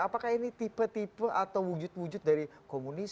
apakah ini tipe tipe atau wujud wujud dari komunis